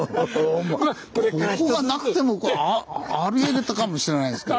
ここがなくてもありえたかもしれないですけど。